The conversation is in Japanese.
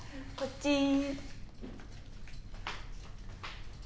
こっち。